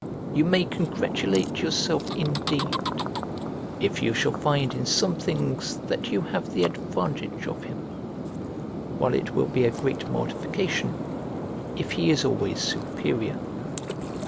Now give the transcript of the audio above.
You may congratulate yourself indeed if you shall find in some things that you have the advantage of him, while it will be a great mortification if he is always superior.